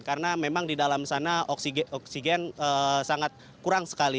karena memang di dalam sana oksigen sangat kurang sekali